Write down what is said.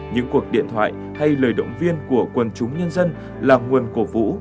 những cuộc điện thoại hay lời động viên của quần chúng nhân dân là nguồn cổ vũ